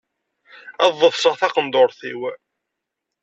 Ad ḍefseɣ taqendurt-iw.